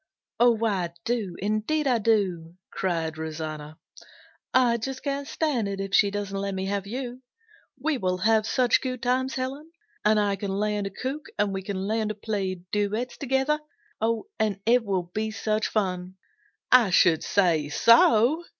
"Oh, I do; indeed I do!" cried Rosanna. "I just can't stand it if she doesn't let me have you! We will have such good times, Helen, and I can learn to cook, and we can learn to play duets together and it will be such fun." "I should say so!"